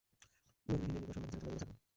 নূরবিহীন এ নিকষ অন্ধকার থেকে তোমরা দূরে থাক।